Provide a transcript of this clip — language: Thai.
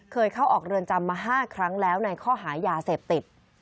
เข้าออกเรือนจำมา๕ครั้งแล้วในข้อหายาเสพติด